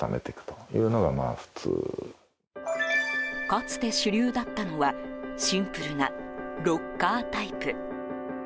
かつて主流だったのはシンプルなロッカータイプ。